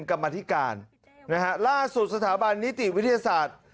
กรรมธิการนะฮะล่าสุดสถาบันนิติวิทยาศาสตร์